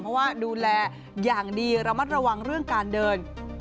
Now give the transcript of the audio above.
เพราะว่าดูแลอย่างดีระมัดระวังเรื่องการเดิน